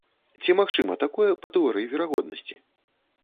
Ці магчыма такое па тэорыі верагоднасці?